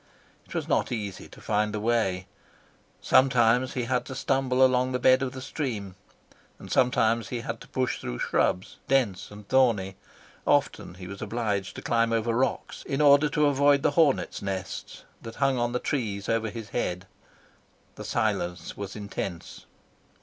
It was not easy to find the way. Sometimes he had to stumble along the bed of the stream, and sometimes he had to push through shrubs, dense and thorny; often he was obliged to climb over rocks in order to avoid the hornet nests that hung on the trees over his head. The silence was intense.